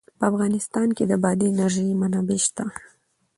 په افغانستان کې د بادي انرژي منابع شته.